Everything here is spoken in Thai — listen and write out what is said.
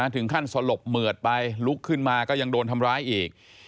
สลบเหมือดไปลุกขึ้นมาก็ยังโดนทำร้ายอีก